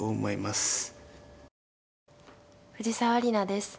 藤沢里菜です。